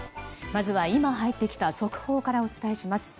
まずは今、入ってきた速報からお伝えします。